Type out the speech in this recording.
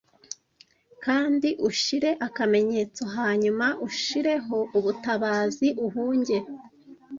Kandi ushire akamenyetso, hanyuma ushireho ubutabazi uhunge.